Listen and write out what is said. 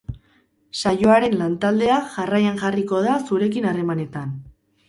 Saioaren lantaldea jarraian jarriko da zurekin harremanetan.